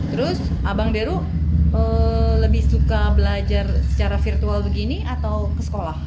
terus abang deru lebih suka belajar secara virtual begini atau ke sekolah